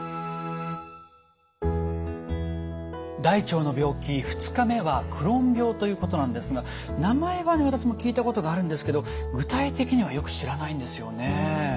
大腸の病気２日目はクローン病ということなんですが名前は私も聞いたことがあるんですけど具体的にはよく知らないんですよね。